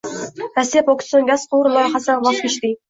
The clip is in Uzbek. Rossiya “Pokiston gaz quvuri” loyihasidan voz kechding